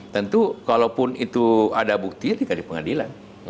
tentu kalau itu ada bukti dikasih pengadilan